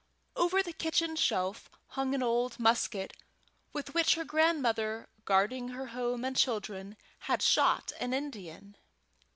Over the kitchen shelf hung an old musket with which her great grandmother, guarding her home and children, had shot an Indian.